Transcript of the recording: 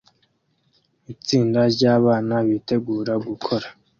Itsinda ryabana bitegura gukora